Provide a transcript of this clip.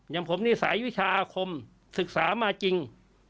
อย่างผมนี่สายวิชาอาคมศึกษามาจริง